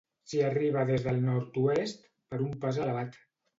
S'hi arriba des del nord-oest per un pas elevat.